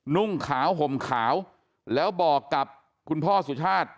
นุ่งขาวห่มขาวแล้วบอกกับคุณพ่อสุชาติ